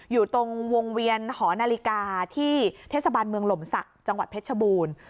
อยู่ตรงวงเวียนหอนาฬิกาที่เทศบาลเมืองหล่มศักดิ์จังหวัดเพชรชบูรณ์